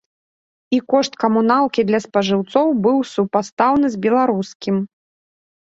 І кошт камуналкі для спажыўцоў быў супастаўны з беларускім.